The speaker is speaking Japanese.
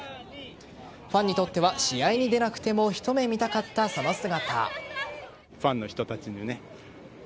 ファンにとっては試合に出なくても一目見たかったその姿。